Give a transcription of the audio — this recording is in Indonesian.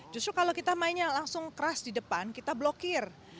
justru kalau kita mainnya langsung keras di depan kita blokir